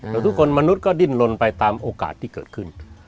แล้วทุกคนมนุษย์ก็ดิ้นลนไปตามโอกาสที่เกิดขึ้น